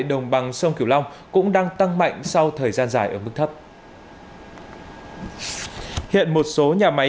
đồng bằng sông cửu long cũng đang tăng mạnh sau thời gian dài ở mức thấp hiện một số nhà máy